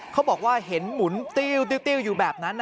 เขาบอกว่าเห็นหมุนติ้วอยู่แบบนั้น